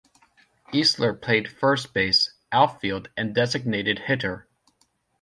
Easler played first base, outfield and designated hitter.